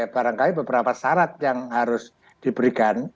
barangkali beberapa syarat yang harus diberikan